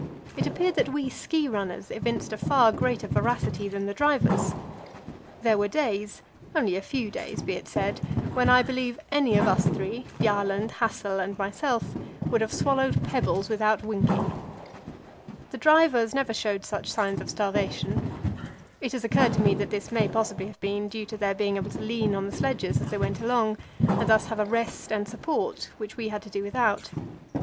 It appeared that we ski runners evinced a far greater voracity than the drivers. There were days only a few days, be it said when I believe any of us three Bjaaland, Hassel, and myself would have swallowed pebbles without winking. The drivers never showed such signs of starvation. It has occurred to me that this may possibly have been due to their being able to lean on the sledges as they went along, and thus have a rest and support which we had to do without.